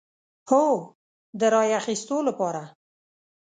هو، د رای اخیستو لپاره